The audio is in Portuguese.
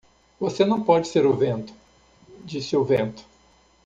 "Você não pode ser o vento?", disse o vento.